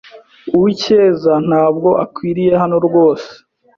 Uwicyeza ntabwo akwiriye hano rwose.